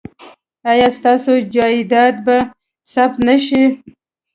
ایا ستاسو جایداد به ثبت نه شي؟